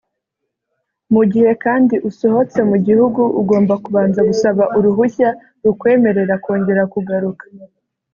Mu gihe kandi usohotse mu gihugu ugomba kubanza gusaba uruhushya rukwemerera kongera kugaruka